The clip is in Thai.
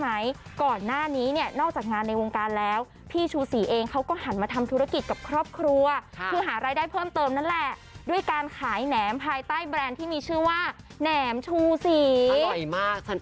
อร่อยมากฉันเป็นลูกค้าอุดหูดหมูแซ่บจริง